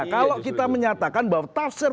kalau kita menyatakan bahwa tafsir